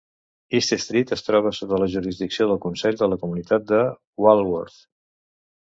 East Street es troba sota la jurisdicció del consell de la comunitat de Walworth.